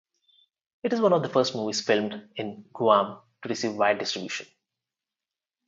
It is one of the first movies filmed in Guam to receive wide distribution.